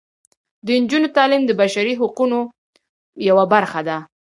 د نجونو تعلیم د بشري حقونو یوه برخه ده.